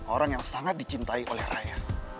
orang yang sangat dicintai oleh rakyat